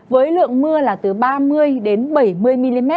với lượng mưa là từ ba mươi đến bảy mươi mm